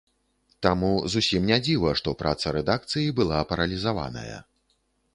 Таму зусім не дзіва, што праца рэдакцыі была паралізаваная.